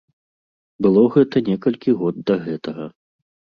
Было гэта некалькі год да гэтага.